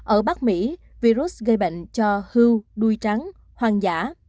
ở bắc mỹ virus gây bệnh cho hưu đuôi trắng hoang dã